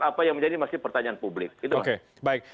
apa yang masih menjadi pertanyaan publik